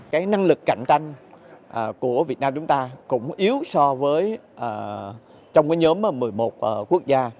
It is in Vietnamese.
cái năng lực cạnh tranh của việt nam chúng ta cũng yếu so với trong cái nhóm một mươi một quốc gia